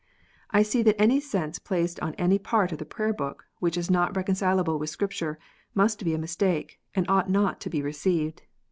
I see that any sense placed on any part of the Prayer book which is not reconcilable with Scripture, must be a mistake, and ought not to be received.